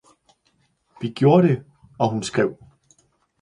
Vi gjorde det, og hun skrev.